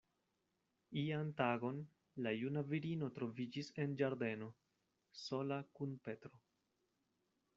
Ian tagon, la juna virino troviĝis en la ĝardeno, sola kun Petro.